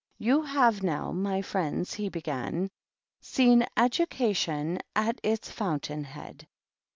"Yo have now, my friends," he began, " seen educatio at its fountain head.